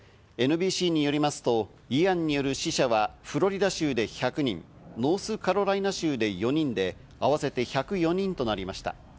ＮＢＣによりますと、イアンによる死者はフロリダ州で１００人、ノースカロライナ州で４人で合わせて１０４人となりました。